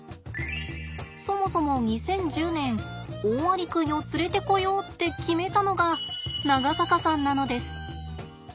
そもそも２０１０年オオアリクイを連れてこようって決めたのが長坂さんなのです。